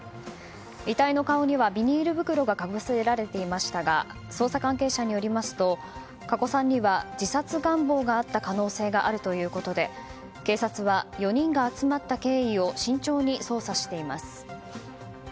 遺体の顔にはビニール袋がかぶせられていましたが捜査関係者によりますと加古さんには自殺願望があった可能性があるということで警察は４人が集まった経緯を慎重に捜査しています。